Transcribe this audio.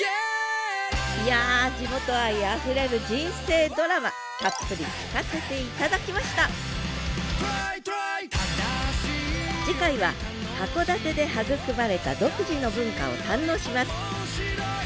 いや地元愛あふれる人生ドラマたっぷり聞かせて頂きました次回は函館で育まれた独自の文化を堪能します。